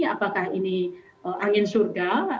apakah ini angin surga